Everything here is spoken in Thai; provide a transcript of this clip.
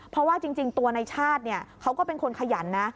เพราะว่าจริงตัวในชาติเขาก็เป็นคนขยันนะ